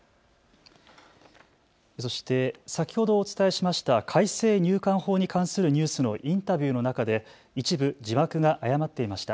そして先ほどお伝えしました改正入管法に関するニュースのインタビューの中で一部、字幕が誤っていました。